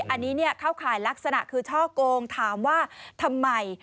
อันนี้เข้าข่ายลักษณะคือช่อกงถามว่าทำไม